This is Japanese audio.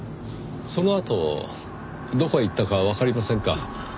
そのあとどこへ行ったかわかりませんか？